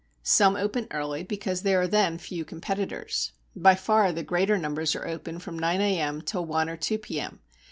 Some open early because there are then few competitors. By far the greater number are open from nine a.m. till one or two p.m.